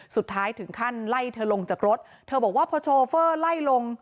สุดท้ายถึงขั้นไล่เธอลงจากรถเธอบอกว่าพอโชเฟอร์ไล่ลง